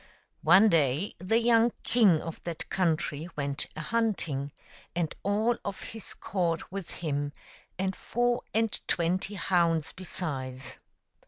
One day the young king of that country went a hunting, and all of his court with him, and four and twenty hounds besides.